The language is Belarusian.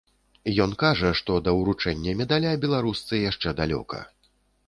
Ён кажа, што да уручэння медаля беларусцы яшчэ далёка.